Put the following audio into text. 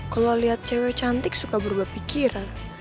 kalo liat cewek cantik suka berubah pikiran